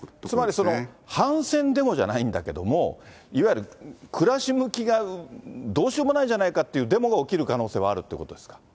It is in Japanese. つまり、反戦デモじゃないんだけれども、いわゆる暮らし向きがどうしようもないじゃないかっていうデモが起きる可能性はあるっていうことですか。